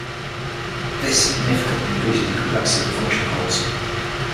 This significantly increases the complexity of the function calls.